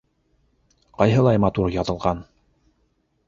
Ҡайһылай матур яҙылған.